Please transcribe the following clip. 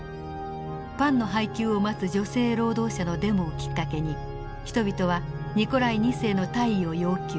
パンの配給を待つ女性労働者のデモをきっかけに人々はニコライ２世の退位を要求。